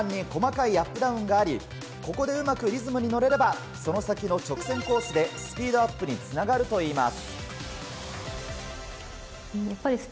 ６ｋｍ過ぎの橋をはじめ、前半に細かいアップダウンがあり、ここでうまくリズムに乗れればその後の直線コースでスピードアップに繋がるといいます。